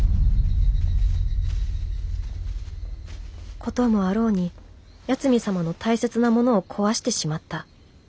事もあろうに八海サマの大切なものを壊してしまった。